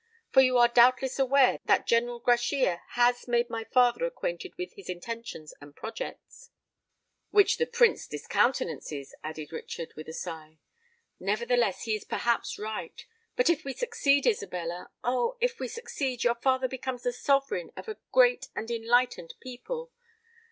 For you are doubtless aware that General Grachia has made my father acquainted with his intentions and projects——" "Which the Prince discountenances," added Richard, with a sigh. "Nevertheless, he is perhaps right: but if we succeed, Isabella—oh! if we succeed, your father becomes the sovereign of a great and enlightened people!